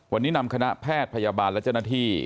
วันนี้นำคณะแพทย์พยาบาลและเจ้าหน้าที่